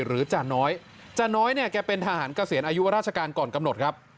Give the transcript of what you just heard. จาน้อยจาน้อยเนี่ยแกเป็นทหารเกษียณอายุราชการก่อนกำหนดครับ